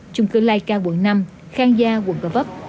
chung cư laika buổi năm khang gia quận cờ vấp